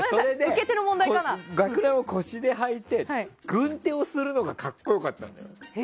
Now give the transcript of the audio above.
学ランを腰ではいて軍手をするのが格好良かった。